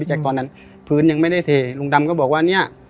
ตอนนั้นพื้นยังไม่ได้เทลุงดำก็บอกว่าเนี่ย